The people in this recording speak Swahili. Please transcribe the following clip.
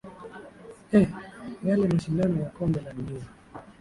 eeh yale mashindano ya kombe la dunia